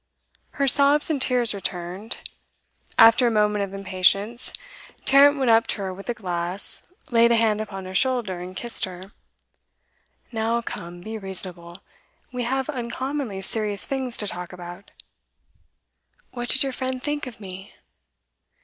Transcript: Her sobs and tears returned. After a moment of impatience, Tarrant went up to her with the glass, laid a hand upon her shoulder, and kissed her. 'Now, come, be reasonable. We have uncommonly serious things to talk about.' 'What did your friend think of me?